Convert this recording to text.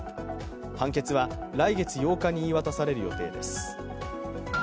判決は来月８日に言い渡される予定です。